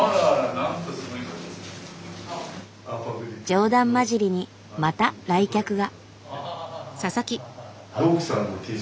冗談交じりにまた来客が。